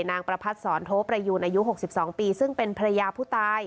ประพัทธ์สอนโทประยูนอายุ๖๒ปีซึ่งเป็นภรรยาผู้ตาย